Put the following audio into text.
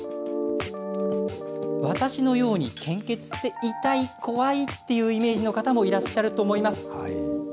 私のように献血って痛い、怖いっていうイメージの方もいらっしゃると思います。